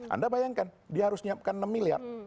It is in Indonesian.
anda bayangkan dia harus menyiapkan enam miliar